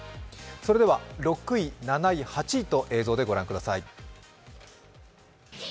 それでは６位、７位、８位と映像でご覧ください。